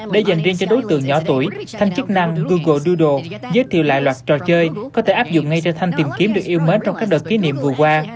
để dành riêng cho đối tượng nhỏ tuổi thanh chức năng google dudo giới thiệu lại loạt trò chơi có thể áp dụng ngay trở thành thanh tìm kiếm được yêu mến trong các đợt kỷ niệm vừa qua